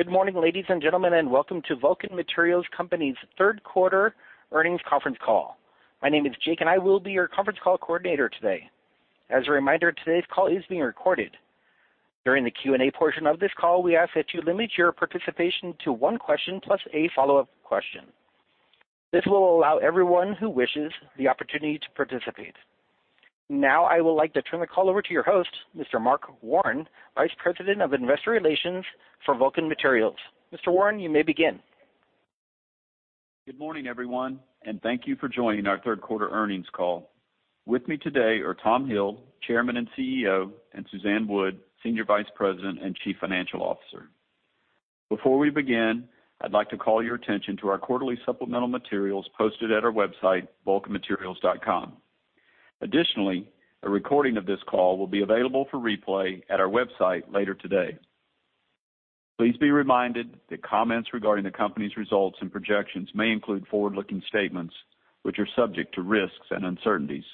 Good morning, ladies and gentlemen, and welcome to Vulcan Materials Company's third quarter earnings conference call. My name is Jake, and I will be your conference call coordinator today. As a reminder, today's call is being recorded. During the Q&A portion of this call, we ask that you limit your participation to one question plus a follow-up question. This will allow everyone who wishes the opportunity to participate. Now I will like to turn the call over to your host, Mr. Mark Warren, Vice President of Investor Relations for Vulcan Materials. Mr. Warren, you may begin. Good morning, everyone, and thank you for joining our third quarter earnings call. With me today are Tom Hill, Chairman and CEO, and Suzanne Wood, Senior Vice President and Chief Financial Officer. Before we begin, I'd like to call your attention to our quarterly supplemental materials posted at our website, vulcanmaterials.com. Additionally, a recording of this call will be available for replay at our website later today. Please be reminded that comments regarding the company's results and projections may include forward-looking statements, which are subject to risks and uncertainties.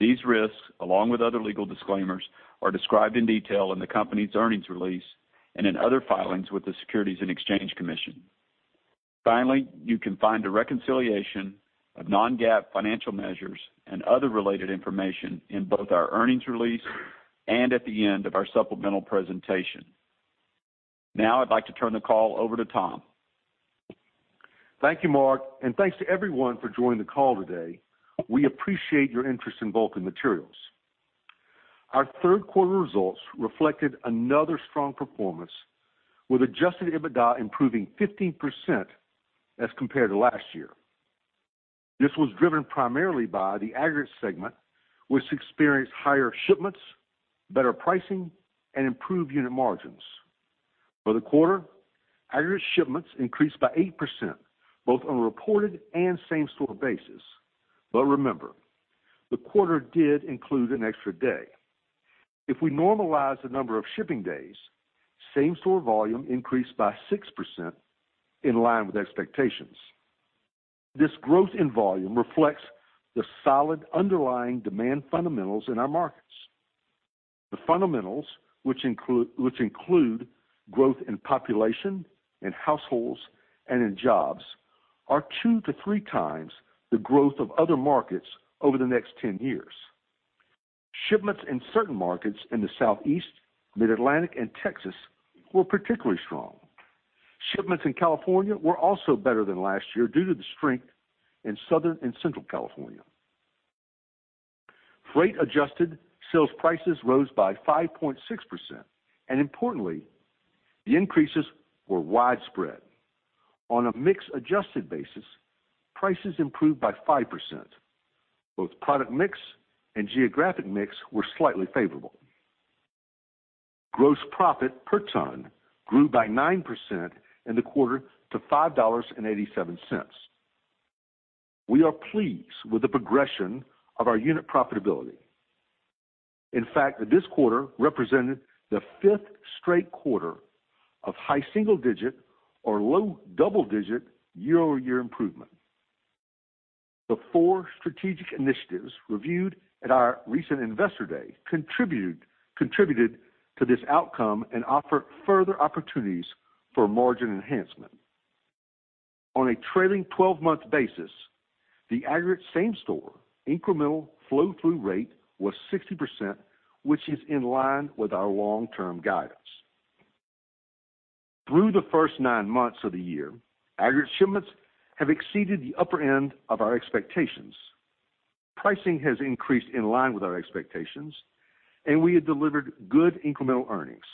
These risks, along with other legal disclaimers, are described in detail in the company's earnings release and in other filings with the Securities and Exchange Commission. Finally, you can find a reconciliation of non-GAAP financial measures and other related information in both our earnings release and at the end of our supplemental presentation. Now I'd like to turn the call over to Tom. Thank you, Mark. Thanks to everyone for joining the call today. We appreciate your interest in Vulcan Materials. Our third quarter results reflected another strong performance, with adjusted EBITDA improving 15% as compared to last year. This was driven primarily by the aggregate segment, which experienced higher shipments, better pricing, and improved unit margins. For the quarter, aggregate shipments increased by 8%, both on a reported and same-store basis. Remember, the quarter did include an extra day. If we normalize the number of shipping days, same-store volume increased by 6%, in line with expectations. This growth in volume reflects the solid underlying demand fundamentals in our markets. The fundamentals, which include growth in population, in households, and in jobs, are two to three times the growth of other markets over the next 10 years. Shipments in certain markets in the Southeast, Mid-Atlantic, and Texas were particularly strong. Shipments in California were also better than last year due to the strength in Southern and Central California. Freight adjusted sales prices rose by 5.6%. Importantly, the increases were widespread. On a mix-adjusted basis, prices improved by 5%. Both product mix and geographic mix were slightly favorable. Gross profit per ton grew by 9% in the quarter to $5.87. We are pleased with the progression of our unit profitability. In fact, this quarter represented the fifth straight quarter of high single digit or low double digit year-over-year improvement. The four strategic initiatives reviewed at our recent Investor Day contributed to this outcome and offer further opportunities for margin enhancement. On a trailing 12-month basis, the aggregate same store incremental flow through rate was 60%, which is in line with our long-term guidance. Through the first nine months of the year, aggregate shipments have exceeded the upper end of our expectations. Pricing has increased in line with our expectations, and we have delivered good incremental earnings.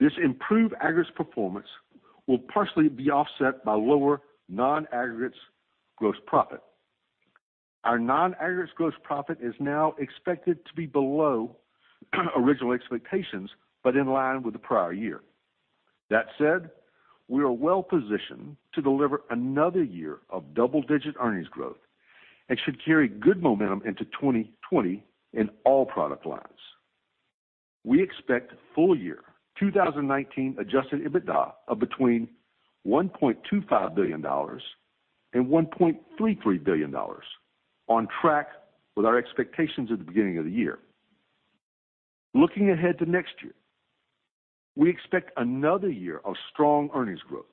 This improved aggregate performance will partially be offset by lower non-aggregates gross profit. Our non-aggregates gross profit is now expected to be below original expectations, but in line with the prior year. That said, we are well positioned to deliver another year of double-digit earnings growth and should carry good momentum into 2020 in all product lines. We expect full year 2019 adjusted EBITDA of between $1.25 billion and $1.33 billion, on track with our expectations at the beginning of the year. Looking ahead to next year, we expect another year of strong earnings growth.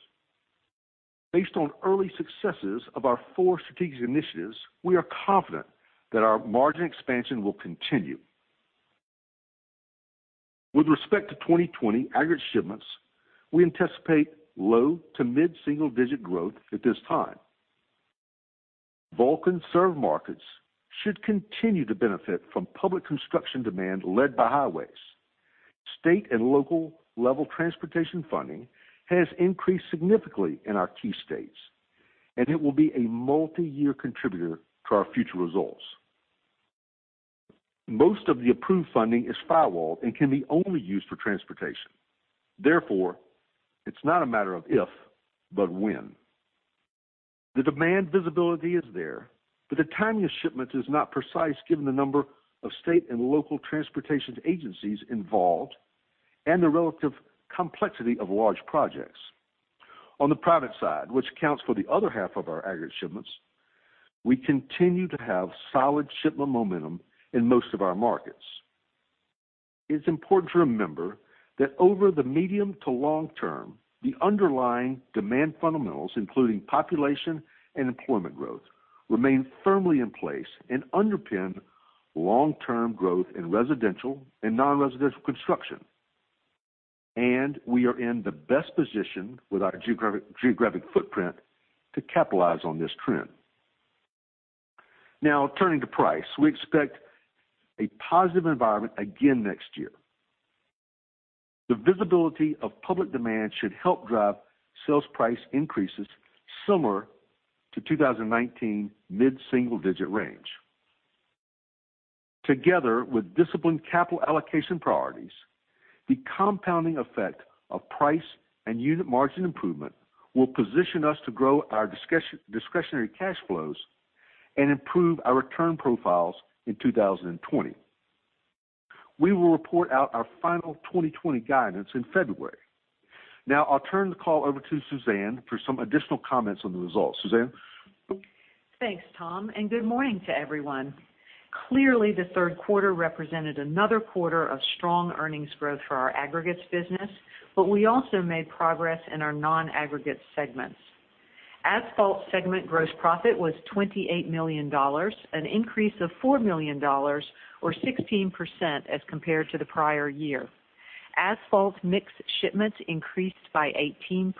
Based on early successes of our four strategic initiatives, we are confident that our margin expansion will continue. With respect to 2020 aggregate shipments, we anticipate low to mid single-digit growth at this time. Vulcan serve markets should continue to benefit from public construction demand led by highways. State and local level transportation funding has increased significantly in our key states, it will be a multi-year contributor to our future results. Most of the approved funding is firewalled and can be only used for transportation. Therefore, it's not a matter of if, but when. The demand visibility is there, the timing of shipments is not precise given the number of state and local transportation agencies involved and the relative complexity of large projects. On the private side, which accounts for the other half of our aggregate shipments, we continue to have solid shipment momentum in most of our markets. It's important to remember that over the medium to long term, the underlying demand fundamentals, including population and employment growth, remain firmly in place and underpin long-term growth in residential and non-residential construction. We are in the best position with our geographic footprint to capitalize on this trend. Now turning to price, we expect a positive environment again next year. The visibility of public demand should help drive sales price increases similar to 2019 mid-single-digit range. Together with disciplined capital allocation priorities, the compounding effect of price and unit margin improvement will position us to grow our discretionary cash flows and improve our return profiles in 2020. We will report out our final 2020 guidance in February. Now I'll turn the call over to Suzanne for some additional comments on the results. Suzanne? Thanks, Tom, and good morning to everyone. Clearly, the third quarter represented another quarter of strong earnings growth for our aggregates business, but we also made progress in our non-aggregate segments. Asphalt Segment gross profit was $28 million, an increase of $4 million or 16% as compared to the prior year. Asphalt mix shipments increased by 18%,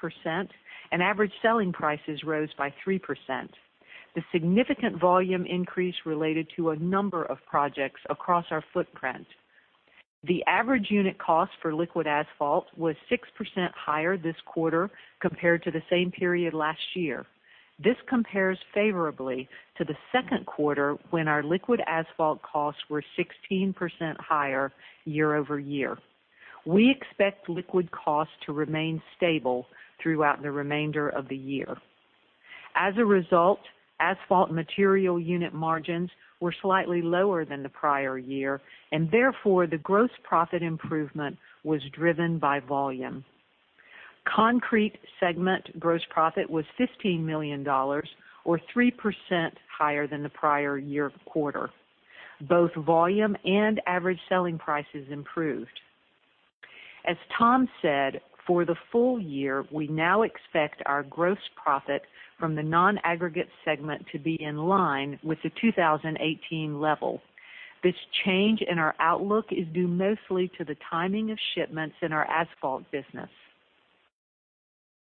and average selling prices rose by 3%. The significant volume increase related to a number of projects across our footprint. The average unit cost for liquid asphalt was 6% higher this quarter compared to the same period last year. This compares favorably to the second quarter, when our liquid asphalt costs were 16% higher year-over-year. We expect liquid costs to remain stable throughout the remainder of the year. As a result, asphalt material unit margins were slightly lower than the prior year, and therefore, the gross profit improvement was driven by volume. concrete segment gross profit was $15 million or 3% higher than the prior year quarter. Both volume and average selling prices improved. As Tom said, for the full year, we now expect our gross profit from the non-aggregate segment to be in line with the 2018 level. This change in our outlook is due mostly to the timing of shipments in our asphalt business.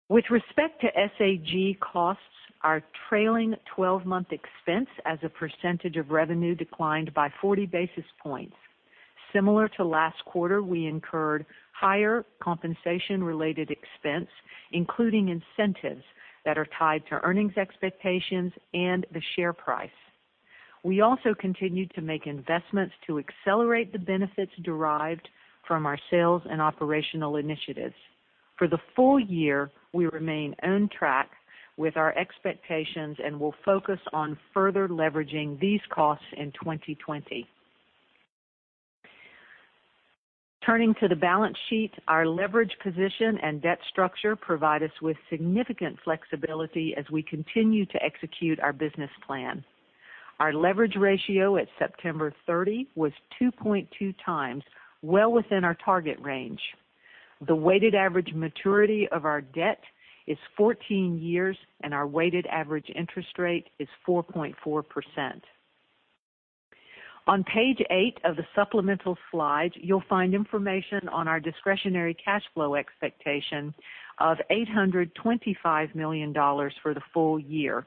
With respect to SAG costs, our trailing 12-month expense as a percentage of revenue declined by 40 basis points. Similar to last quarter, we incurred higher compensation-related expense, including incentives that are tied to earnings expectations and the share price. We also continued to make investments to accelerate the benefits derived from our sales and operational initiatives. For the full year, we remain on track with our expectations and will focus on further leveraging these costs in 2020. Turning to the balance sheet, our leverage position and debt structure provide us with significant flexibility as we continue to execute our business plan. Our leverage ratio at September 30 was 2.2 times, well within our target range. The weighted average maturity of our debt is 14 years, and our weighted average interest rate is 4.4%. On page eight of the supplemental slides, you'll find information on our discretionary cash flow expectation of $825 million for the full year.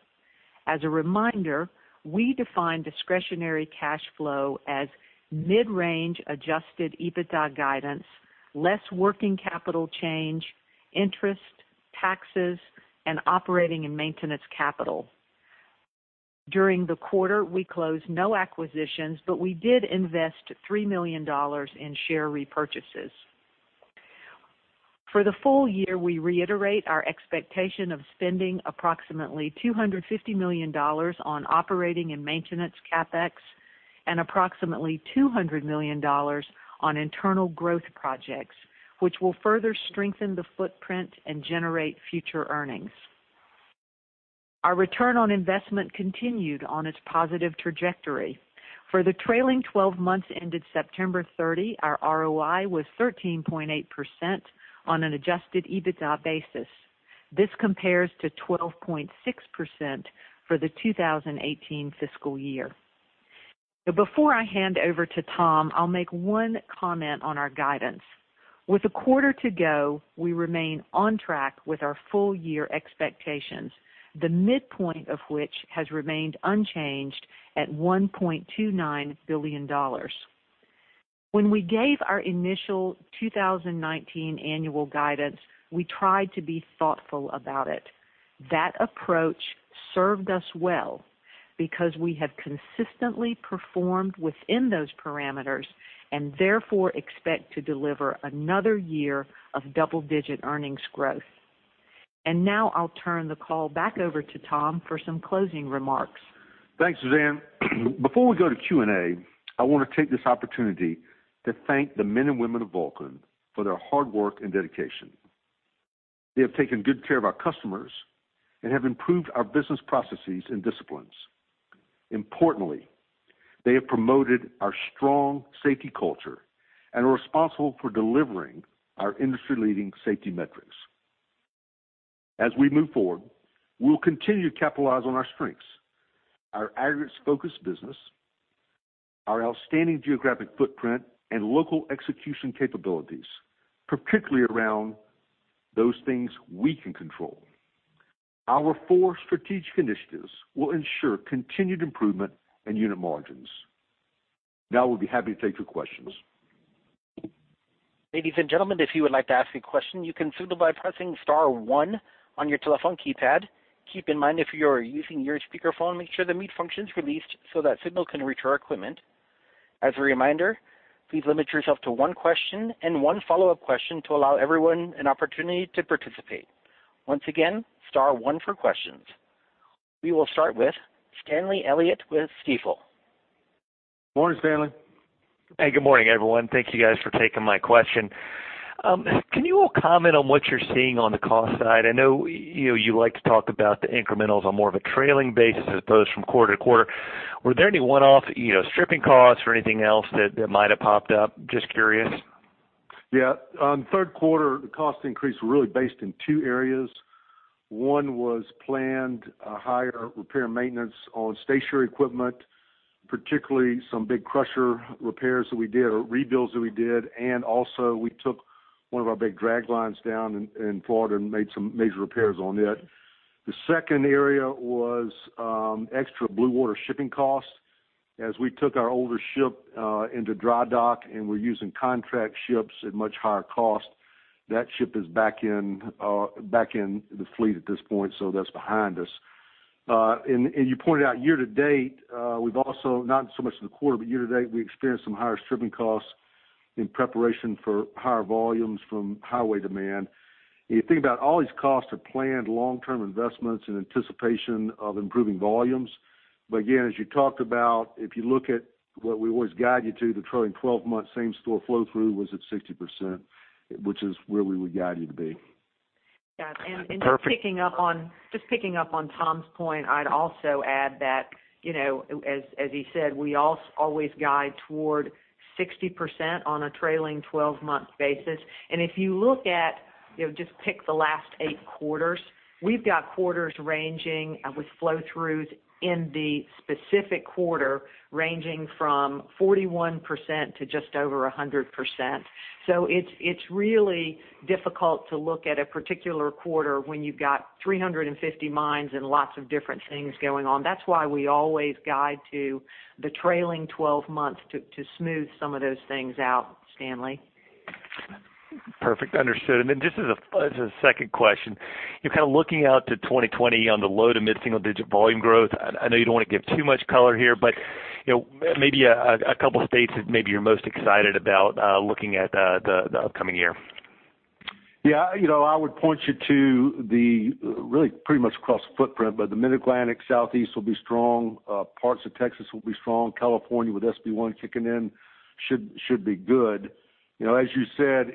As a reminder, we define discretionary cash flow as mid-range adjusted EBITDA guidance, less working capital change, interest, taxes, and operating and maintenance capital. During the quarter, we closed no acquisitions, but we did invest $3 million in share repurchases. For the full year, we reiterate our expectation of spending approximately $250 million on operating and maintenance CapEx and approximately $200 million on internal growth projects, which will further strengthen the footprint and generate future earnings. Our return on investment continued on its positive trajectory. For the trailing 12 months ended September 30, our ROI was 13.8% on an adjusted EBITDA basis. This compares to 12.6% for the 2018 fiscal year. Before I hand over to Tom, I'll make one comment on our guidance. With a quarter to go, we remain on track with our full year expectations, the midpoint of which has remained unchanged at $1.29 billion. When we gave our initial 2019 annual guidance, we tried to be thoughtful about it. That approach served us well because we have consistently performed within those parameters and therefore expect to deliver another year of double-digit earnings growth. Now I'll turn the call back over to Tom for some closing remarks. Thanks, Suzanne. Before we go to Q&A, I want to take this opportunity to thank the men and women of Vulcan for their hard work and dedication. They have taken good care of our customers and have improved our business processes and disciplines. Importantly, they have promoted our strong safety culture and are responsible for delivering our industry-leading safety metrics. As we move forward, we'll continue to capitalize on our strengths, our aggregates-focused business, our outstanding geographic footprint, and local execution capabilities, particularly around those things we can control. Our four strategic initiatives will ensure continued improvement in unit margins. Now we'll be happy to take your questions. Ladies and gentlemen, if you would like to ask a question, you can signal by pressing star one on your telephone keypad. Keep in mind, if you are using your speakerphone, make sure the mute function is released so that signal can reach our equipment. As a reminder, please limit yourself to one question and one follow-up question to allow everyone an opportunity to participate. Once again, star one for questions. We will start with Stanley Elliott with Stifel. Morning, Stanley. Hey, good morning, everyone. Thank you guys for taking my question. Can you all comment on what you're seeing on the cost side? I know you like to talk about the incrementals on more of a trailing basis as opposed from quarter to quarter. Were there any one-off stripping costs or anything else that might have popped up? Just curious. Yeah. On the third quarter, the cost increase was really based in two areas. One was planned higher repair and maintenance on stationary equipment, particularly some big crusher repairs that we did or rebuilds that we did. Also we took one of our big draglines down in Florida and made some major repairs on it. The second area was extra blue water shipping costs as we took our older ship into dry dock, and we're using contract ships at much higher cost. That ship is back in the fleet at this point, that's behind us. You pointed out year-to-date, we've also, not so much in the quarter but year-to-date, we experienced some higher stripping costs in preparation for higher volumes from highway demand. You think about all these costs are planned long-term investments in anticipation of improving volumes. Again, as you talked about, if you look at what we always guide you to, the trailing 12-month same-store flow-through was at 60%, which is where we would guide you to be. Perfect. Just picking up on Tom's point, I'd also add that, as he said, we always guide toward 60% on a trailing 12-month basis. If you look at, just pick the last eight quarters, we've got quarters ranging with flow-throughs in the specific quarter, ranging from 41% to just over 100%. It's really difficult to look at a particular quarter when you've got 350 mines and lots of different things going on. That's why we always guide to the trailing 12 months to smooth some of those things out, Stanley. Perfect. Understood. Then just as a second question, you're kind of looking out to 2020 on the low to mid-single digit volume growth. I know you don't want to give too much color here, but maybe a couple states that maybe you're most excited about looking at the upcoming year? Yeah. I would point you to the really pretty much across the footprint, but the Mid-Atlantic Southeast will be strong. Parts of Texas will be strong. California with SB 1 kicking in should be good. As you said,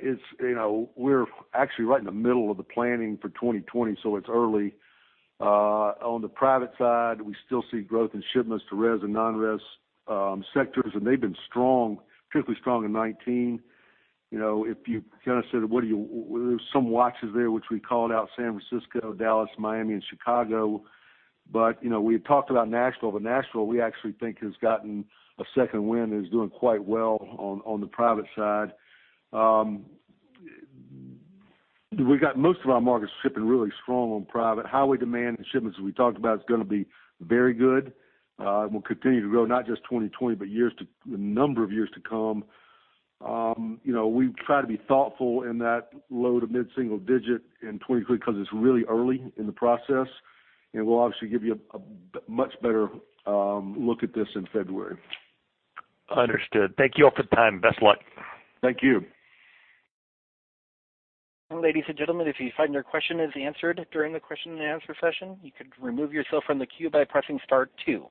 we're actually right in the middle of the planning for 2020, so it's early. On the private side, we still see growth in shipments to res and non-res sectors, and they've been strong, particularly strong in '19. There's some watches there, which we called out San Francisco, Dallas, Miami, and Chicago. We had talked about Nashville, but Nashville, we actually think has gotten a second wind and is doing quite well on the private side. We've got most of our markets shipping really strong on private. Highway demand and shipments, as we talked about, is going to be very good. We'll continue to grow not just 2020 but a number of years to come. We try to be thoughtful in that low to mid-single digit in 2020 because it's really early in the process, and we'll obviously give you a much better look at this in February. Understood. Thank you all for the time. Best luck. Thank you. Ladies and gentlemen, if you find your question is answered during the question and answer session, you could remove yourself from the queue by pressing star 2.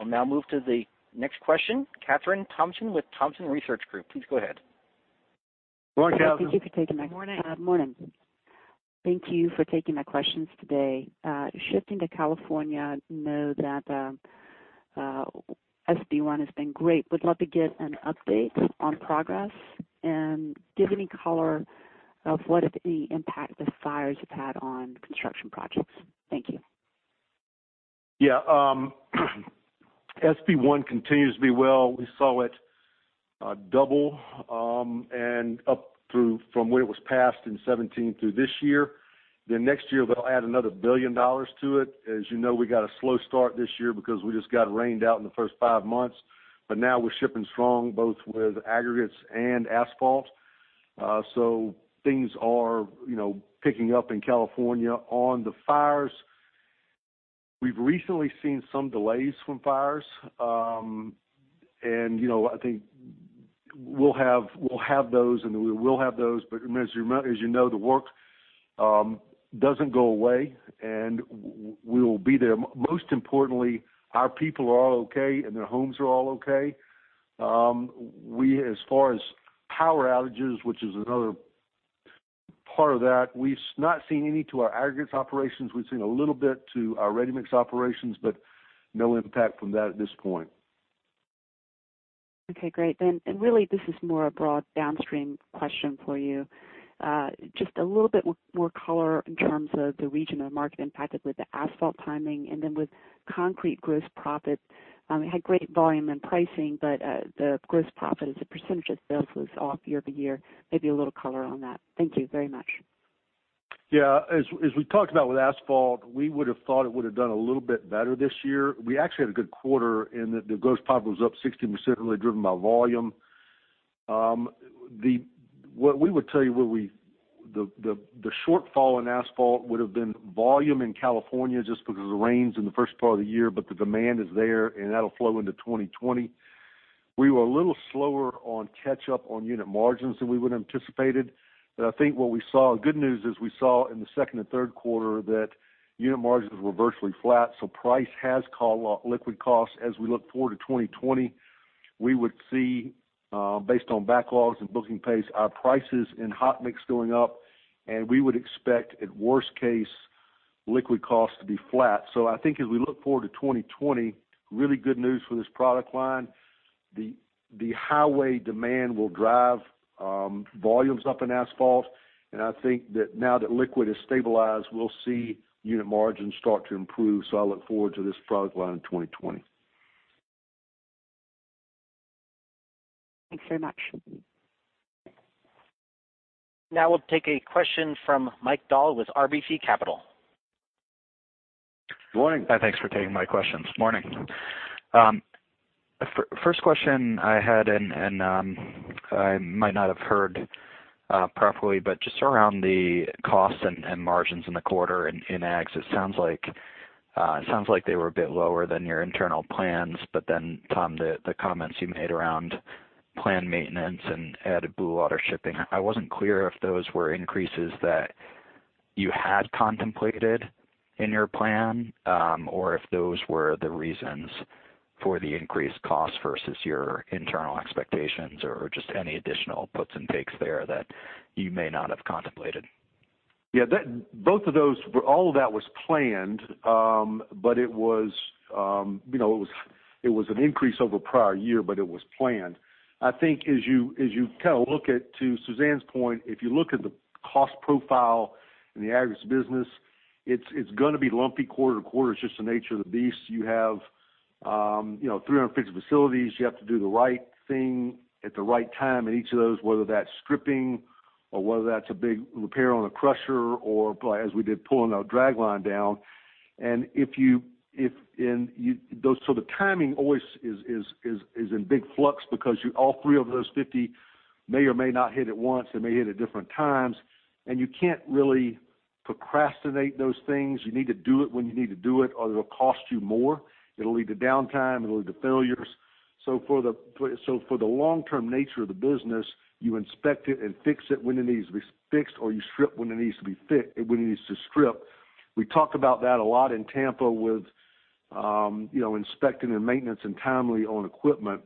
I'll now move to the next question, Kathryn Thompson with Thompson Research Group. Please go ahead. Morning, Kathryn. Good morning. Morning. Thank you for taking my questions today. Shifting to California, know that SB 1 has been great. Would love to get an update on progress and give any color of what, if any, impact the fires have had on construction projects. Thank you. SB 1 continues to be well. We saw it double, up through from when it was passed in 2017 through this year. Next year, they'll add another $1 billion to it. As you know, we got a slow start this year because we just got rained out in the first five months. Now we're shipping strong, both with aggregates and asphalt. Things are picking up in California. On the fires, we've recently seen some delays from fires. We will have those. As you know, the work doesn't go away, and we will be there. Most importantly, our people are all okay, and their homes are all okay. As far as power outages, which is another part of that, we've not seen any to our aggregates operations. We've seen a little bit to our ready-mix operations, but no impact from that at this point. Okay, great. Really this is more a broad downstream question for you. Just a little bit more color in terms of the regional market impacted with the asphalt timing and then with concrete gross profit. It had great volume and pricing, but the gross profit as a percentage of sales was off year-over-year. Maybe a little color on that. Thank you very much. As we talked about with asphalt, we would've thought it would've done a little bit better this year. We actually had a good quarter in that the gross profit was up 60% driven by volume. What we would tell you, the shortfall in asphalt would've been volume in California just because of the rains in the first part of the year, the demand is there, that'll flow into 2020. We were a little slower on catch up on unit margins than we would've anticipated. I think what we saw, good news is we saw in the second and third quarter that unit margins were virtually flat. Price has caught liquid costs. As we look forward to 2020, we would see, based on backlogs and booking pace, our prices in hot mix going up, we would expect, at worst case, liquid costs to be flat. I think as we look forward to 2020, really good news for this product line. The highway demand will drive volumes up in asphalt, and I think that now that liquid is stabilized, we'll see unit margins start to improve. I look forward to this product line in 2020. Thanks so much. Now we'll take a question from Mike Dahl with RBC Capital. Morning. Thanks for taking my questions. Morning. First question I had, I might not have heard properly, just around the costs and margins in the quarter in ags, it sounds like they were a bit lower than your internal plans. Tom, the comments you made around planned maintenance and added blue water shipping, I wasn't clear if those were increases that you had contemplated in your plan, or if those were the reasons for the increased cost versus your internal expectations, or just any additional puts and takes there that you may not have contemplated. Yeah. All of that was planned. It was an increase over prior year, but it was planned. I think as you look at, to Suzanne's point, if you look at the cost profile in the aggregates business, it's going to be lumpy quarter-to-quarter. It's just the nature of the beast. You have 350 facilities. You have to do the right thing at the right time in each of those, whether that's stripping or whether that's a big repair on a crusher or as we did, pulling our drag line down. The timing always is in big flux because all three of those 50 may or may not hit at once. They may hit at different times, and you can't really procrastinate those things. You need to do it when you need to do it, or it'll cost you more. It'll lead to downtime. It'll lead to failures. For the long-term nature of the business, you inspect it and fix it when it needs to be fixed, or you strip when it needs to strip. We talked about that a lot in Tampa with inspecting and maintenance and timely on equipment.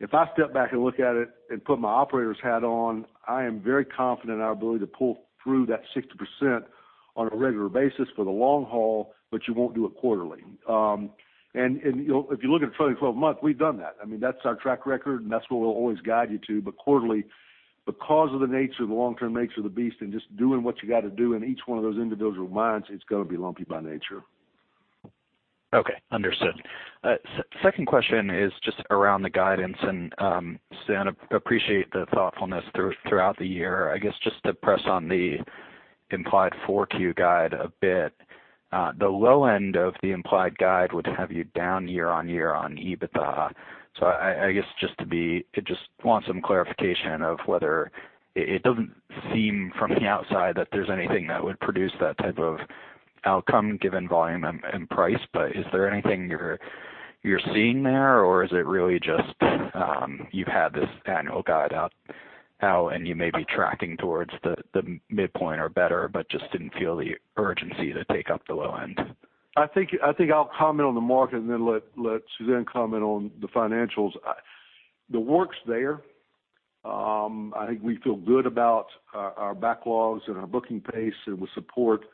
If I step back and look at it and put my operator's hat on, I am very confident in our ability to pull through that 60% on a regular basis for the long haul, but you won't do it quarterly. If you look at the 12-month, we've done that. That's our track record, and that's where we'll always guide you to. Quarterly, because of the long-term nature of the beast and just doing what you got to do in each one of those individual mines, it's going to be lumpy by nature. Okay. Understood. Second question is just around the guidance. Suzanne, appreciate the thoughtfulness throughout the year. I guess just to press on the implied 4Q guide a bit. The low end of the implied guide would have you down year-over-year on EBITDA. I guess, just want some clarification. It doesn't seem from the outside that there's anything that would produce that type of outcome given volume and price. Is there anything you're seeing there, or is it really just, you've had this annual guide out how, and you may be tracking towards the midpoint or better but just didn't feel the urgency to take up the low end? I think I'll comment on the market and then let Suzanne comment on the financials. The work's there. I think we feel good about our backlogs and our booking pace. It will support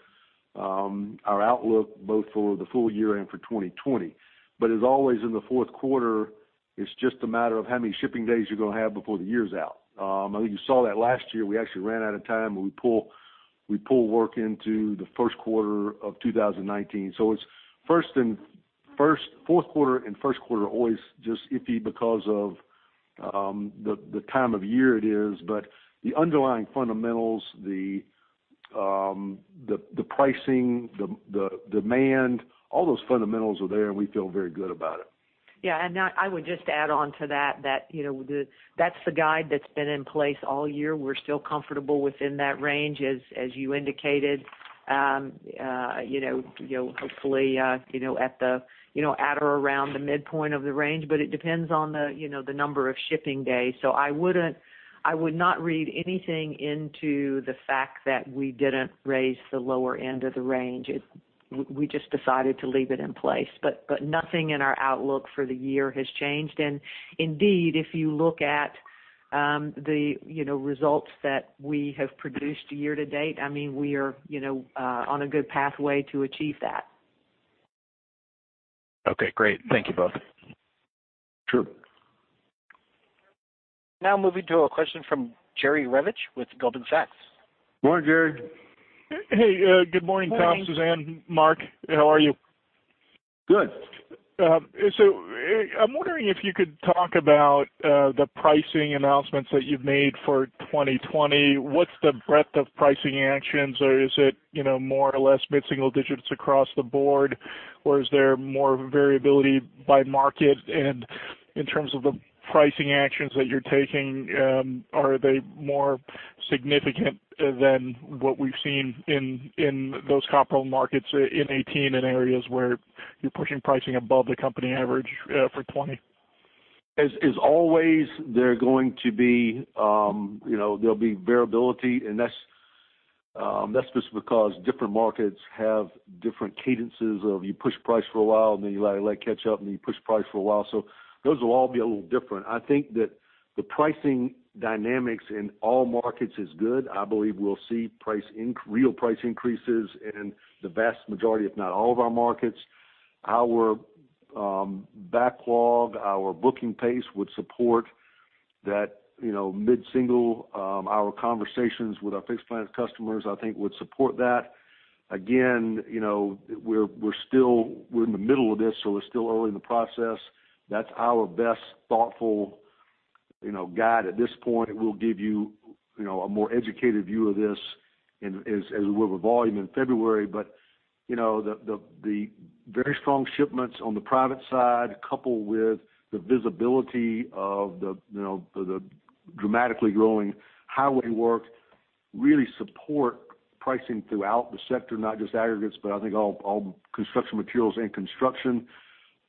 our outlook both for the full year and for 2020. As always in the fourth quarter, it's just a matter of how many shipping days you're going to have before the year's out. I think you saw that last year, we actually ran out of time, and we pulled work into the first quarter of 2019. Fourth quarter and first quarter are always just iffy because of the time of year it is. The underlying fundamentals, the pricing, the demand, all those fundamentals are there, and we feel very good about it. Yeah. I would just add on to that's the guide that's been in place all year. We're still comfortable within that range, as you indicated. At or around the midpoint of the range, it depends on the number of shipping days. I would not read anything into the fact that we didn't raise the lower end of the range. We just decided to leave it in place. Nothing in our outlook for the year has changed. Indeed, if you look at the results that we have produced year-to-date, we are on a good pathway to achieve that. Okay, great. Thank you both. Sure. Moving to a question from Jerry Revich with Goldman Sachs. Morning, Jerry. Hey. Good morning, Tom, Suzanne, Mark. How are you? Good. I'm wondering if you could talk about the pricing announcements that you've made for 2020. What's the breadth of pricing actions? Is it more or less mid-single digits across the board? Is there more of a variability by market? In terms of the pricing actions that you're taking, are they more significant than what we've seen in those compound markets in 2018 in areas where you're pushing pricing above the company average for 2020? As always, there'll be variability, and that's just because different markets have different cadences of, you push price for a while, and then you let it catch up, and then you push price for a while. Those will all be a little different. I think that the pricing dynamics in all markets is good. I believe we'll see real price increases in the vast majority, if not all of our markets. Our backlog, our booking pace would support that mid-single. Our conversations with our fixed plant customers, I think, would support that. Again, we're in the middle of this, so we're still early in the process. That's our best thoughtful guide at this point, and we'll give you a more educated view of this as we review volume in February. The very strong shipments on the private side, coupled with the visibility of the dramatically growing highway work, really support pricing throughout the sector, not just aggregates, but I think all construction materials and construction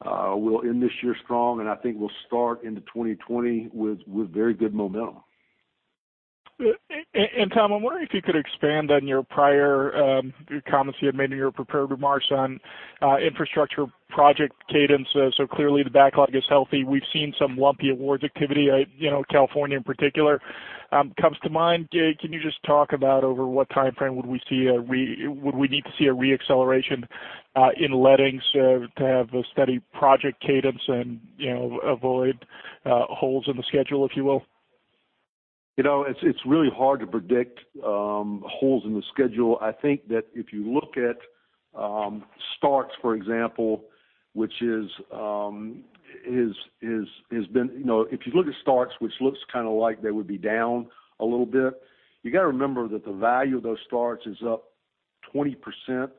will end this year strong. I think we'll start into 2020 with very good momentum. Tom, I'm wondering if you could expand on your prior comments you had made in your prepared remarks on infrastructure project cadence. Clearly the backlog is healthy. We've seen some lumpy awards activity. California, in particular, comes to mind. Can you just talk about over what timeframe would we need to see a re-acceleration in lettings to have a steady project cadence and avoid holes in the schedule, if you will? It's really hard to predict holes in the schedule. I think that if you look at starts, which looks like they would be down a little bit, you got to remember that the value of those starts is up 20%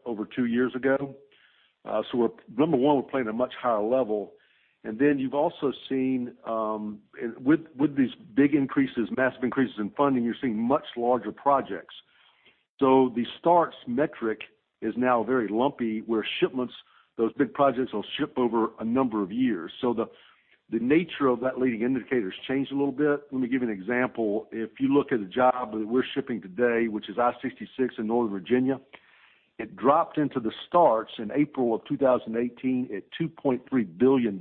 over two years ago. Number one, we're playing at a much higher level. You've also seen with these big increases, massive increases in funding, you're seeing much larger projects. The starts metric is now very lumpy, where shipments, those big projects will ship over a number of years. The nature of that leading indicator's changed a little bit. Let me give you an example. If you look at a job that we're shipping today, which is I-66 in Northern Virginia, it dropped into the starts in April of 2018 at $2.3 billion.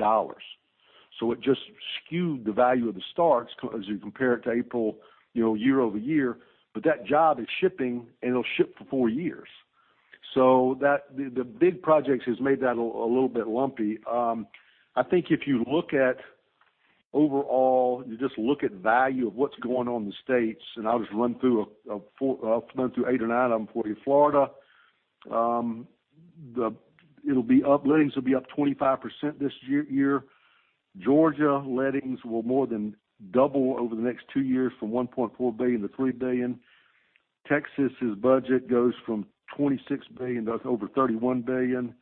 It just skewed the value of the starts as you compare it to April year over year. That job is shipping, and it'll ship for four years. The big projects has made that a little bit lumpy. I think if you look at overall, you just look at value of what's going on in the States, and I'll just run through eight or nine of them for you. Florida, lettings will be up 25% this year. Georgia lettings will more than double over the next two years from $1.4 billion to $3 billion. Texas's budget goes from $26 billion to over $31 billion.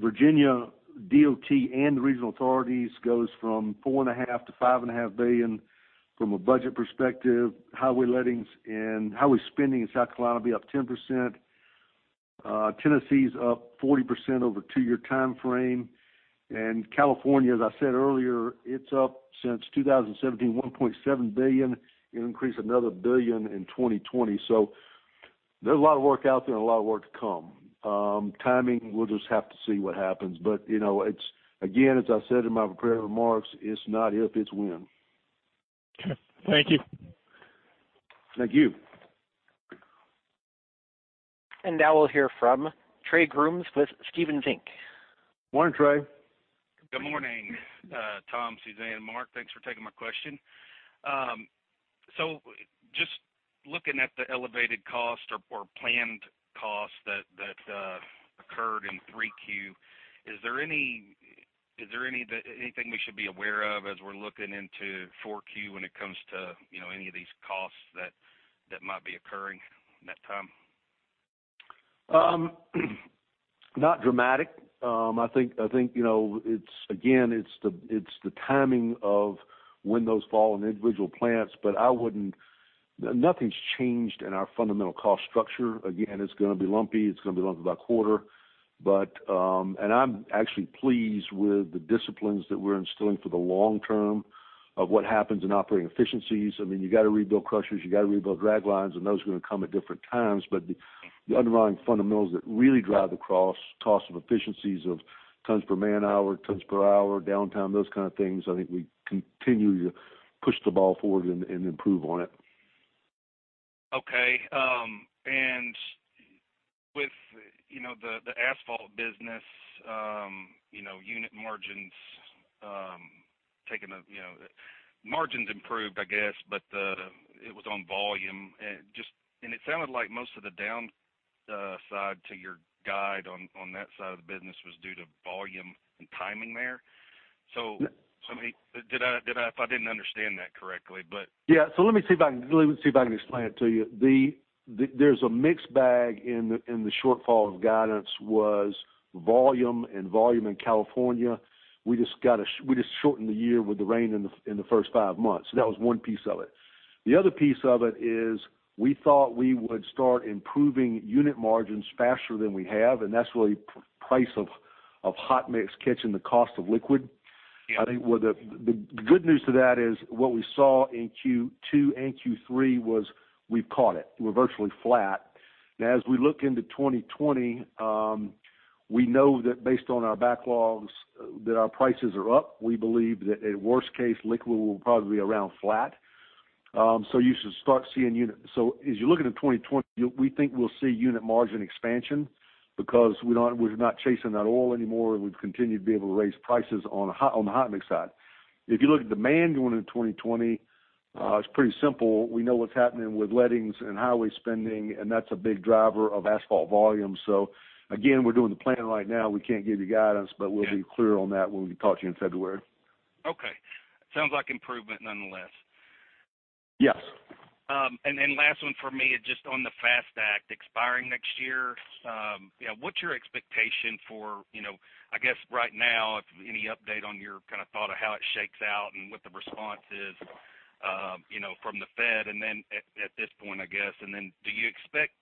Virginia DOT and the regional authorities goes from $4.5 billion-$5.5 billion from a budget perspective. Highway lettings and highway spending in South Carolina will be up 10%. Tennessee's up 40% over a two-year timeframe. California, as I said earlier, it's up since 2017, $1.7 billion. It'll increase another $1 billion in 2020. There's a lot of work out there and a lot of work to come. Timing, we'll just have to see what happens. Again, as I said in my prepared remarks, it's not if, it's when. Okay. Thank you. Thank you. Now we'll hear from Trey Grooms with Stephens Inc. Morning, Trey. Good morning Tom, Suzanne, Mark. Thanks for taking my question. Just looking at the elevated cost or planned cost that occurred in Q3, is there anything we should be aware of as we're looking into Q4 when it comes to any of these costs that might be occurring in that time? Not dramatic. I think, again, it's the timing of when those fall in individual plants. Nothing's changed in our fundamental cost structure. Again, it's going to be lumpy. It's going to be lumpy by quarter. I'm actually pleased with the disciplines that we're instilling for the long term of what happens in operating efficiencies. You got to rebuild crushers, you got to rebuild draglines. Those are going to come at different times. The underlying fundamentals that really drive the cost of efficiencies of tons per man hour, tons per hour, downtime, those kind of things, I think we continue to push the ball forward and improve on it. Okay. With the asphalt business, unit margins improved, I guess, but it was on volume. It sounded like most of the downside to your guide on that side of the business was due to volume and timing there. Did I, if I didn't understand that correctly. Yeah. Let me see if I can explain it to you. There's a mixed bag in the shortfall of guidance was volume and volume in California. We just shortened the year with the rain in the first five months. That was one piece of it. The other piece of it is we thought we would start improving unit margins faster than we have, and that's really price of hot mix catching the cost of liquid. Yeah. I think the good news to that is what we saw in Q2 and Q3 was we've caught it. We're virtually flat. As we look into 2020, we know that based on our backlogs, that our prices are up. We believe that at worst case, liquid will probably be around flat. As you're looking at 2020, we think we'll see unit margin expansion because we're not chasing that oil anymore. We've continued to be able to raise prices on the hot mix side. If you look at demand going into 2020, it's pretty simple. We know what's happening with lettings and highway spending, and that's a big driver of asphalt volume. Again, we're doing the planning right now. We can't give you guidance, but we'll be clear on that when we talk to you in February. Okay. Sounds like improvement nonetheless. Yes. Last one for me is just on the FAST Act expiring next year. What's your expectation for, I guess right now, if any update on your kind of thought of how it shakes out and what the response is from the Fed at this point, I guess. Do you expect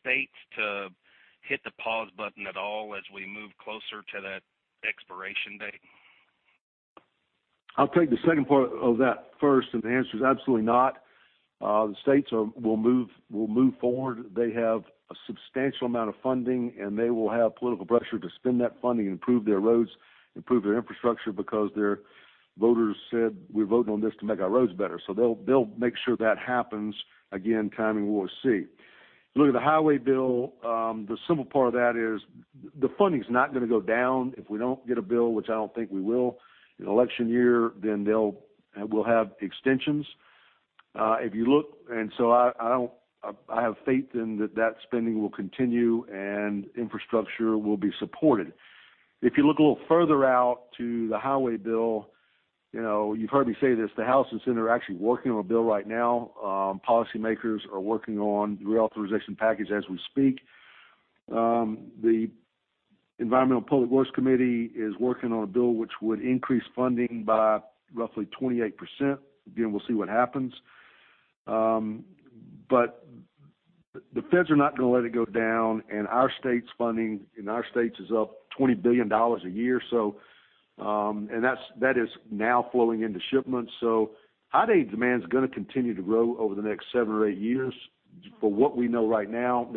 states to hit the pause button at all as we move closer to that expiration date? I'll take the second part of that first, the answer is absolutely not. The states will move forward. They have a substantial amount of funding, and they will have political pressure to spend that funding and improve their roads, improve their infrastructure because their voters said, "We're voting on this to make our roads better." They'll make sure that happens. Again, timing we'll see. Look at the highway bill. The simple part of that is the funding's not going to go down if we don't get a bill, which I don't think we will. In an election year, we'll have extensions. I have faith in that spending will continue, and infrastructure will be supported. If you look a little further out to the highway bill, you've heard me say this, the House and Senate are actually working on a bill right now. Policy makers are working on the reauthorization package as we speak. The Environment and Public Works Committee is working on a bill which would increase funding by roughly 28%. Again, we'll see what happens. The feds are not going to let it go down, and our state's funding in our states is up $20 billion a year, and that is now flowing into shipments. I think demand's going to continue to grow over the next 7 or 8 years for what we know right now.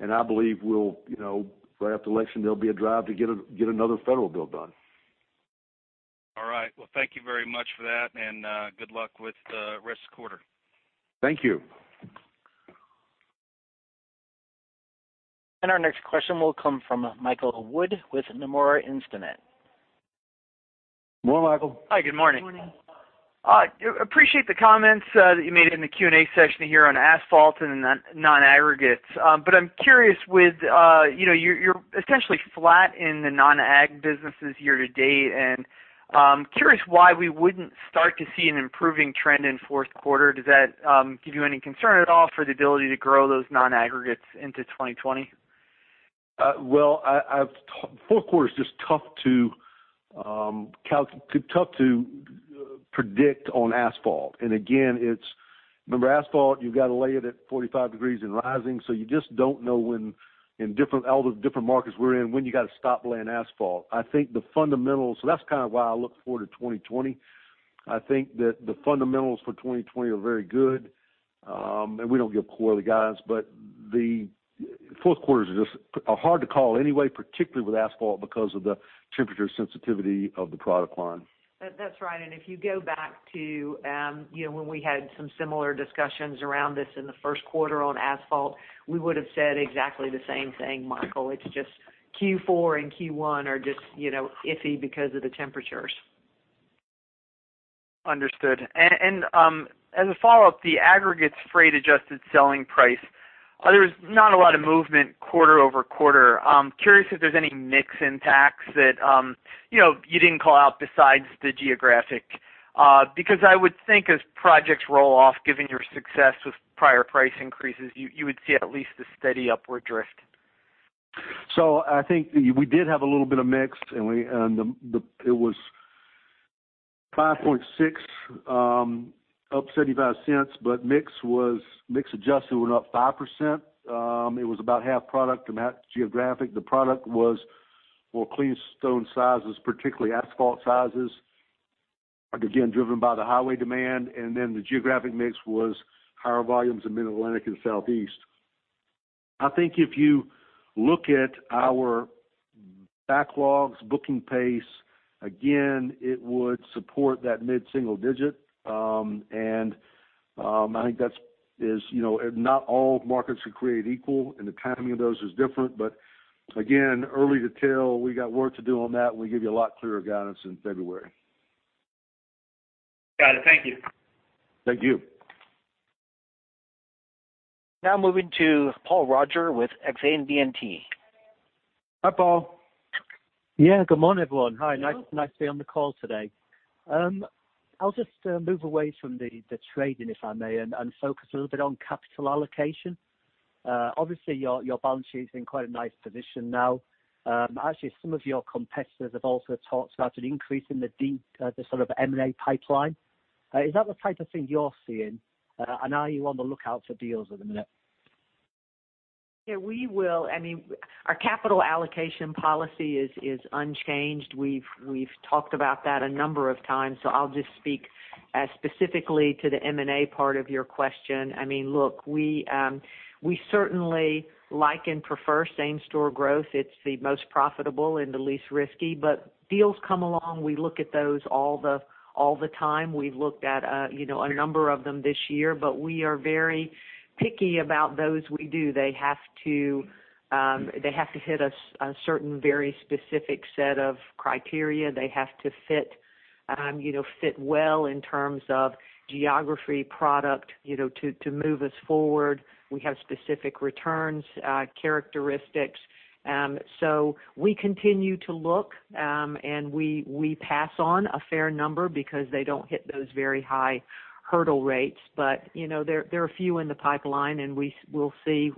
I believe right after election, there'll be a drive to get another federal bill done. All right. Well, thank you very much for that, and good luck with the rest of the quarter. Thank you. Our next question will come from Michael Wood with Nomura Instinet. Good morning, Michael. Hi, good morning. Good morning. Appreciate the comments that you made in the Q&A section here on asphalt and non-aggregates. I'm curious with, you're essentially flat in the non-agg businesses year to date, and curious why we wouldn't start to see an improving trend in fourth quarter. Does that give you any concern at all for the ability to grow those non-aggregates into 2020? Well, fourth quarter is just tough to predict on asphalt. Again, remember asphalt, you've got to lay it at 45 degrees and rising, you just don't know all the different markets we're in, when you got to stop laying asphalt. That's kind of why I look forward to 2020. I think that the fundamentals for 2020 are very good. We don't give quarterly guidance, but the fourth quarters are hard to call anyway, particularly with asphalt because of the temperature sensitivity of the product line. That's right. If you go back to when we had some similar discussions around this in the first quarter on asphalt, we would've said exactly the same thing, Michael. It's just Q4 and Q1 are just iffy because of the temperatures. Understood. As a follow-up, the aggregates freight adjusted selling price, there's not a lot of movement quarter-over-quarter. Curious if there's any mix impact that you didn't call out besides the geographic. I would think as projects roll off, given your success with prior price increases, you would see at least a steady upward drift. I think we did have a little bit of mix, and it was 5.6 up $0.75. Mix adjusted were up 5%. It was about half product and half geographic. The product was more clean stone sizes, particularly asphalt sizes, again, driven by the highway demand. The geographic mix was higher volumes in Mid-Atlantic and Southeast. I think if you look at our backlogs, booking pace, again, it would support that mid-single digit. I think not all markets are created equal, and the timing of those is different. Again, early to tell. We got work to do on that, and we'll give you a lot clearer guidance in February. Got it. Thank you. Thank you. Now moving to Paul Roger with Exane BNP. Hi, Paul. Yeah, good morning, everyone. Hi, nice to be on the call today. I'll just move away from the trading, if I may, and focus a little bit on capital allocation. Obviously, your balance sheet is in quite a nice position now. Actually, some of your competitors have also talked about an increase in the sort of M&A pipeline. Is that the type of thing you're seeing? Are you on the lookout for deals at the minute? Our capital allocation policy is unchanged. We've talked about that a number of times. I'll just speak specifically to the M&A part of your question. Look, we certainly like and prefer same-store growth. It's the most profitable and the least risky. Deals come along, we look at those all the time. We've looked at a number of them this year. We are very picky about those we do. They have to hit a certain, very specific set of criteria. They have to fit well in terms of geography, product to move us forward. We have specific returns characteristics. We continue to look, and we pass on a fair number because they don't hit those very high hurdle rates. There are a few in the pipeline, and we'll see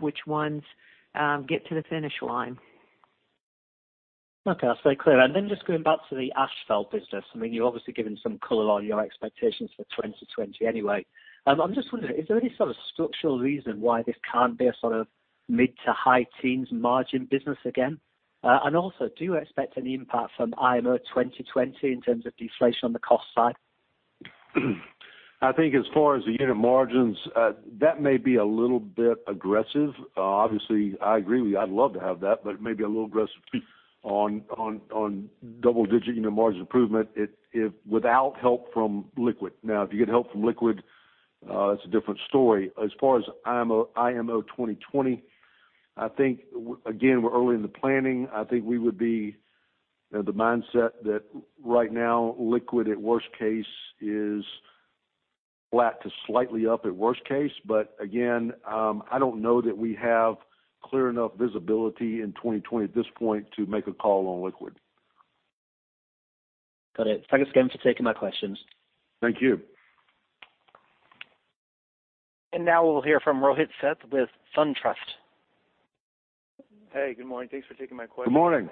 which ones get to the finish line. Okay. That's very clear. Then just going back to the asphalt. You've obviously given some color on your expectations for 2020 anyway. I'm just wondering, is there any sort of structural reason why this can't be a sort of mid to high teens margin business again? Also, do you expect any impact from IMO 2020 in terms of deflation on the cost side? I think as far as the unit margins, that may be a little bit aggressive. Obviously, I agree with you. I'd love to have that, but it may be a little aggressive on double-digit unit margin improvement without help from liquid. Now, if you get help from liquid, that's a different story. As far as IMO 2020, I think, again, we're early in the planning. I think we would be in the mindset that right now, liquid at worst case is flat to slightly up at worst case. Again, I don't know that we have clear enough visibility in 2020 at this point to make a call on liquid. Got it. Thanks again for taking my questions. Thank you. Now we'll hear from Rohit Seth with SunTrust. Hey, good morning. Thanks for taking my question. Good morning.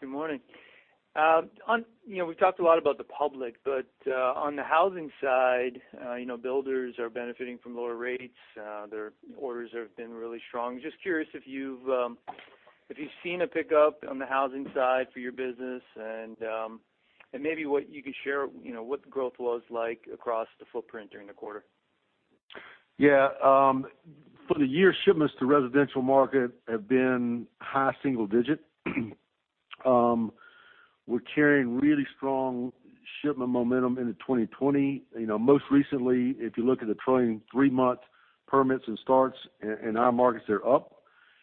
Good morning. We've talked a lot about the public, but on the housing side, builders are benefiting from lower rates. Their orders have been really strong. Just curious if you've seen a pickup on the housing side for your business, and maybe what you could share what the growth was like across the footprint during the quarter. Yeah. For the year, shipments to residential market have been high single digit. We're carrying really strong shipment momentum into 2020. Most recently, if you look at the trailing three-month permits and starts in our markets, they're up.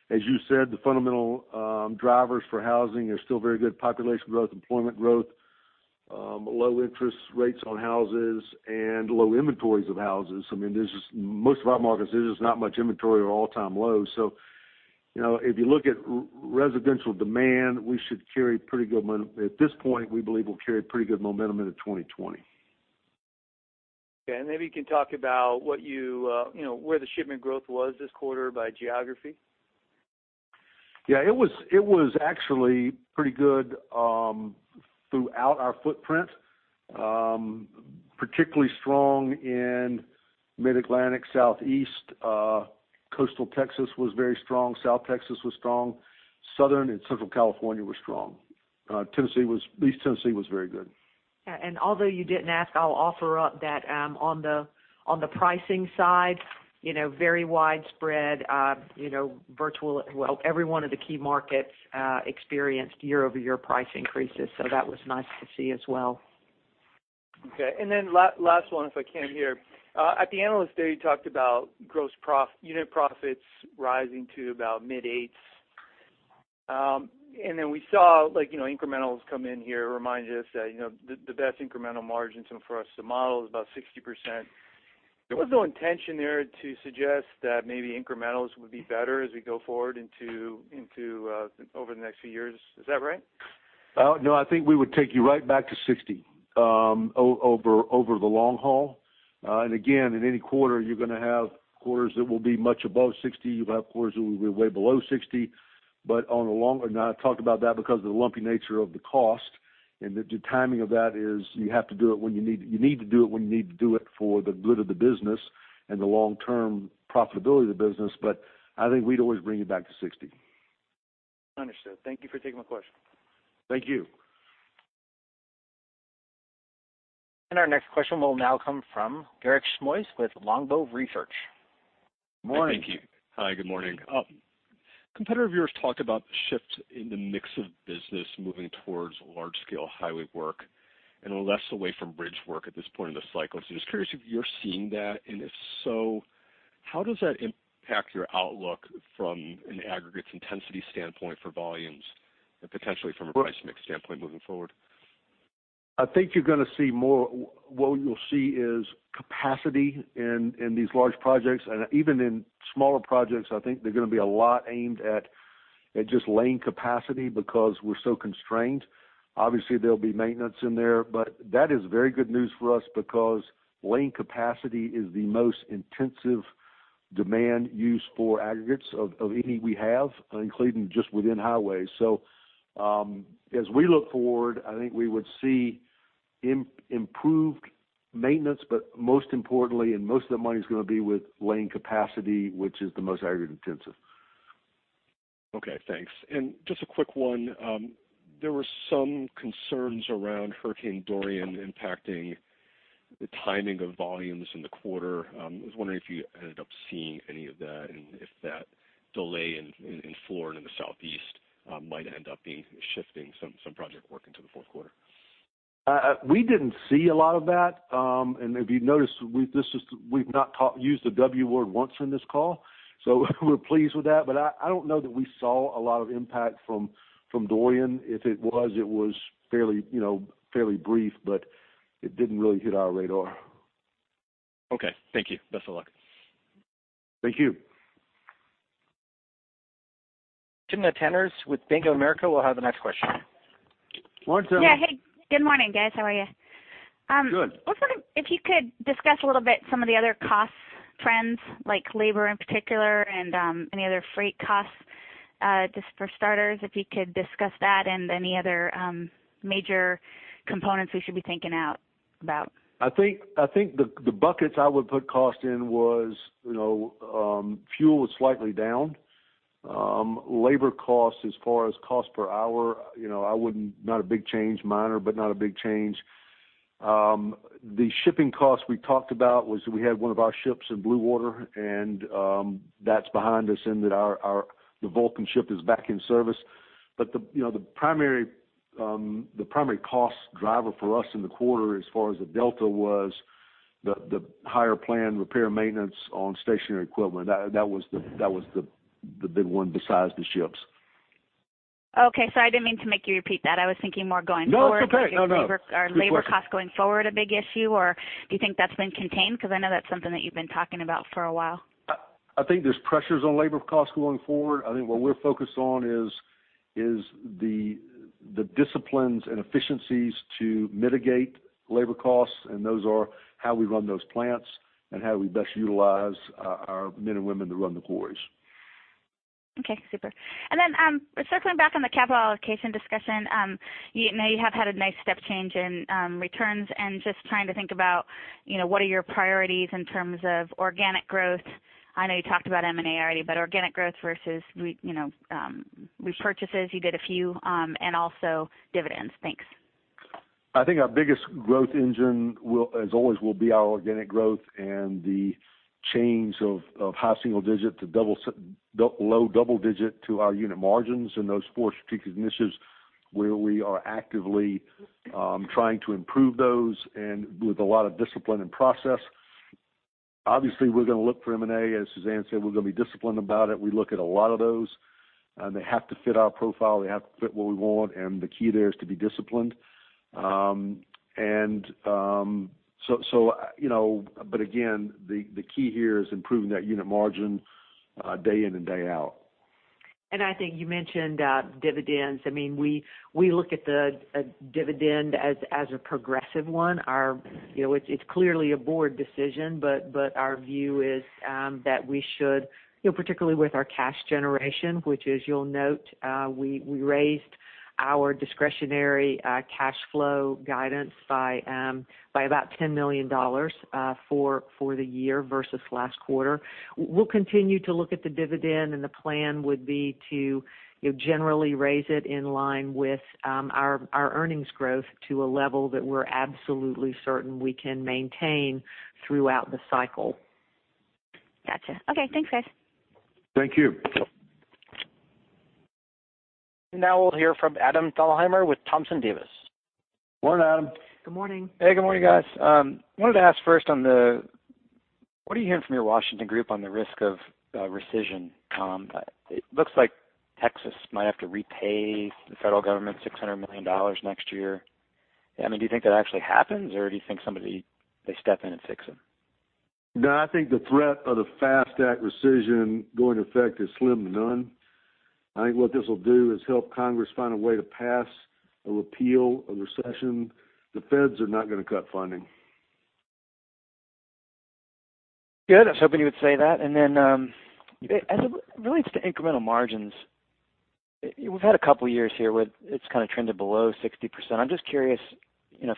As you said, the fundamental drivers for housing are still very good. Population growth, employment growth, low interest rates on houses, and low inventories of houses. Most of our markets, there's just not much inventory. We're all-time low. If you look at residential demand, at this point, we believe we'll carry pretty good momentum into 2020. Okay. Maybe you can talk about where the shipment growth was this quarter by geography? Yeah. It was actually pretty good throughout our footprint. Particularly strong in Mid-Atlantic, Southeast. Coastal Texas was very strong. South Texas was strong. Southern and Central California were strong. East Tennessee was very good. Although you didn't ask, I'll offer up that on the pricing side, very widespread. Every one of the key markets experienced year-over-year price increases, so that was nice to see as well. Okay. Last one, if I can here. At the Investor Day, you talked about unit profits rising to about mid-8s. We saw incrementals come in here remind us that the best incremental margins for us to model is about 60%. There was no intention there to suggest that maybe incrementals would be better as we go forward over the next few years. Is that right? No, I think we would take you right back to 60 over the long haul. Again, in any quarter, you're going to have quarters that will be much above 60. You'll have quarters that will be way below 60. I talked about that because of the lumpy nature of the cost, and the timing of that is you need to do it when you need to do it for the good of the business and the long-term profitability of the business. I think we'd always bring it back to 60. Understood. Thank you for taking my question. Thank you. Our next question will now come from Garik Shmois with Longbow Research. Morning. Thank you. Hi, good morning. Competitors of yours talk about the shift in the mix of business moving towards large-scale highway work and less away from bridge work at this point in the cycle. Just curious if you're seeing that, and if so, how does that impact your outlook from an aggregates intensity standpoint for volumes and potentially from a price mix standpoint moving forward? I think what you'll see is capacity in these large projects and even in smaller projects, I think they're going to be a lot aimed at just lane capacity because we're so constrained. Obviously, there'll be maintenance in there, but that is very good news for us because lane capacity is the most intensive demand use for aggregates of any we have, including just within highways. As we look forward, I think we would see improved maintenance, but most importantly, and most of the money's going to be with lane capacity, which is the most aggregate intensive. Okay, thanks. Just a quick one. There were some concerns around Hurricane Dorian impacting the timing of volumes in the quarter. I was wondering if you ended up seeing any of that and if that delay in Florida and the Southeast might end up shifting some project work into the fourth quarter. We didn't see a lot of that. If you notice, we've not used the W word once in this call, so we're pleased with that. I don't know that we saw a lot of impact from Dorian. If it was, it was fairly brief, but it didn't really hit our radar. Okay, thank you. Best of luck. Thank you. Jim Atteners with Bank of America will have the next question. Morning, Jim. Yeah. Hey, good morning, guys. How are you? Good. I was wondering if you could discuss a little bit some of the other cost trends, like labor in particular, and any other freight costs, just for starters, if you could discuss that and any other major components we should be thinking about? I think the buckets I would put cost in was, fuel was slightly down. Labor cost as far as cost per hour, not a big change. Minor, but not a big change. The shipping cost we talked about was we had one of our ships in blue water, and that's behind us in that the Vulcan ship is back in service. The primary cost driver for us in the quarter as far as the delta was the higher planned repair maintenance on stationary equipment. That was the big one besides the ships. Okay. I didn't mean to make you repeat that. I was thinking more going forward. No, it's okay. No. Are labor costs going forward a big issue, or do you think that's been contained? Because I know that's something that you've been talking about for a while. I think there's pressures on labor costs going forward. I think what we're focused on is the disciplines and efficiencies to mitigate labor costs, and those are how we run those plants and how we best utilize our men and women to run the quarries. Okay, super. Circling back on the capital allocation discussion. You have had a nice step change in returns and just trying to think about, what are your priorities in terms of organic growth. I know you talked about M&A already, but organic growth versus repurchases, you did a few, and also dividends. Thanks. I think our biggest growth engine, as always, will be our organic growth and the change of high single digit to low double digit to our unit margins in those four strategic initiatives where we are actively trying to improve those and with a lot of discipline and process. Obviously, we're going to look for M&A. As Suzanne said, we're going to be disciplined about it. We look at a lot of those, and they have to fit our profile, they have to fit what we want, and the key there is to be disciplined. Again, the key here is improving that unit margin day in and day out. I think you mentioned dividends. We look at the dividend as a progressive one. It's clearly a board decision, but our view is that we should, particularly with our cash generation, which as you'll note, we raised our discretionary cash flow guidance by about $10 million for the year versus last quarter. We'll continue to look at the dividend, and the plan would be to generally raise it in line with our earnings growth to a level that we're absolutely certain we can maintain throughout the cycle. Got you. Okay, thanks, guys. Thank you. now we'll hear from Adam Thalhimer with Thompson Davis. Morning, Adam. Good morning. Hey, good morning, guys. Wanted to ask first what are you hearing from your Washington group on the risk of rescission, Tom? It looks like Texas might have to repay the federal government $600 million next year. Do you think that actually happens, or do you think somebody, they step in and fix it? No, I think the threat of the FAST Act rescission going into effect is slim to none. I think what this will do is help Congress find a way to pass a repeal, a rescission. The feds are not going to cut funding. Good. I was hoping you would say that. then as it relates to incremental margins, we've had a couple of years here where it's kind of trended below 60%. I'm just curious,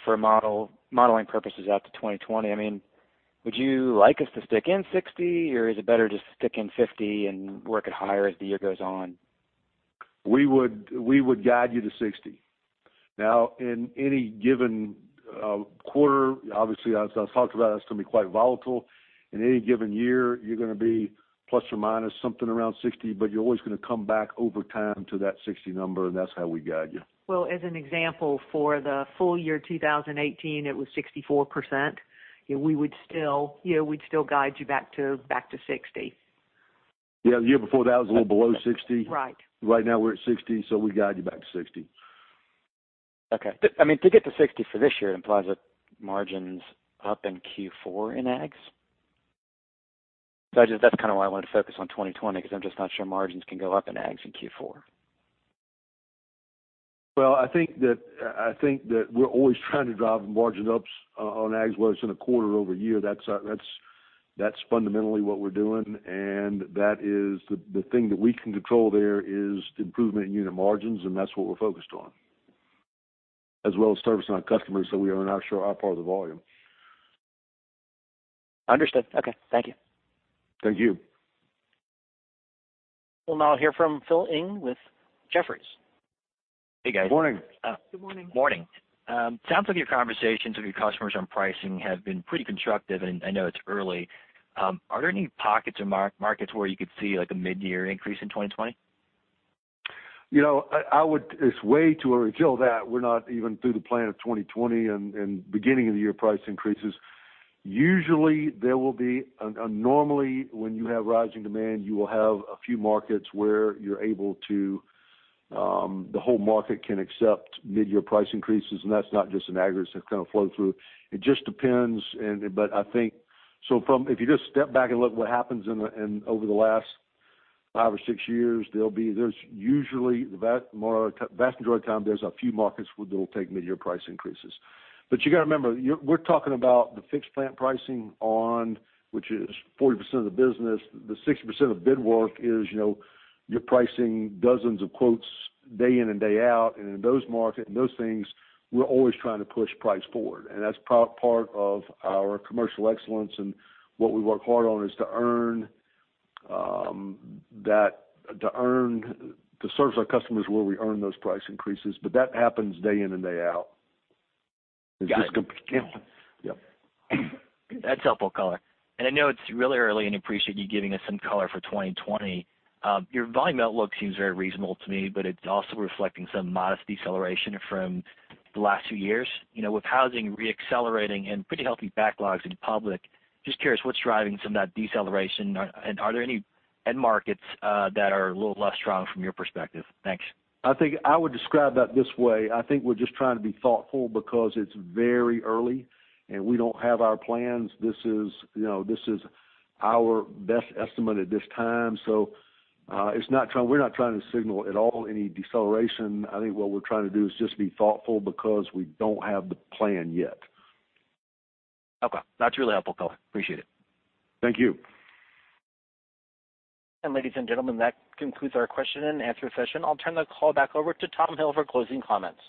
for modeling purposes out to 2020, would you like us to stick in 60, or is it better to stick in 50 and work it higher as the year goes on? We would guide you to 60. Now, in any given quarter, obviously, as I've talked about, that's going to be quite volatile. In any given year, you're going to be plus or minus something around 60, but you're always going to come back over time to that 60 number, and that's how we guide you. Well, as an example, for the full year 2018, it was 64%. We would still guide you back to 60. Yeah. The year before that was a little below 60. Right. Right now we're at 60, so we guide you back to 60. Okay. To get to 60 for this year, it implies that margins up in Q4 in ags. That's kind of why I wanted to focus on 2020, because I'm just not sure margins can go up in ags in Q4. Well, I think that we're always trying to drive margins up on ags, whether it's in a quarter over year. That's fundamentally what we're doing, and that is the thing that we can control there is the improvement in unit margins, and that's what we're focused on. As well as servicing our customers so we earn our share, our part of the volume. Understood. Okay. Thank you. Thank you. We'll now hear from Philip Ng with Jefferies. Hey, guys. Morning. Good morning. Morning. Sounds like your conversations with your customers on pricing have been pretty constructive, and I know it's early. Are there any pockets or markets where you could see a mid-year increase in 2020? It's way too early. Phil, that we're not even through the plan of 2020 and beginning of the year price increases. Usually, there will be, normally, when you have rising demand, you will have a few markets where the whole market can accept mid-year price increases, and that's not just in aggregates, that kind of flow through. It just depends. If you just step back and look what happens over the last five or six years, there's usually, the vast majority of time, there's a few markets where they'll take mid-year price increases. You got to remember, we're talking about the fixed plant pricing on which is 40% of the business. The 60% of bid work is your pricing dozens of quotes day in and day out. in those market, in those things, we're always trying to push price forward, and that's part of our commercial excellence and what we work hard on is to serve our customers where we earn those price increases. that happens day in and day out. Got it. Yep. That's helpful color. I know it's really early, and I appreciate you giving us some color for 2020. Your volume outlook seems very reasonable to me, but it's also reflecting some modest deceleration from the last few years. With housing re-accelerating and pretty healthy backlogs in public, just curious, what's driving some of that deceleration? Are there any end markets that are a little less strong from your perspective? Thanks. I think I would describe that this way. I think we're just trying to be thoughtful because it's very early, and we don't have our plans. This is our best estimate at this time. We're not trying to signal at all any deceleration. I think what we're trying to do is just be thoughtful because we don't have the plan yet. Okay. That's really helpful color. Appreciate it. Thank you. Ladies and gentlemen, that concludes our question and answer session. I'll turn the call back over to Tom Hill for closing comments.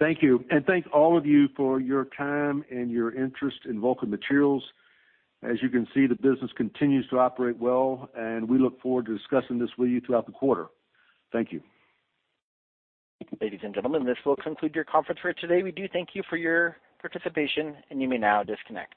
Thank you. Thank all of you for your time and your interest in Vulcan Materials. As you can see, the business continues to operate well, and we look forward to discussing this with you throughout the quarter. Thank you. Ladies and gentlemen, this will conclude your conference for today. We do thank you for your participation, and you may now disconnect.